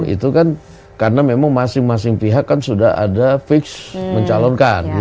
itu kan karena memang masing masing pihak kan sudah ada fix mencalonkan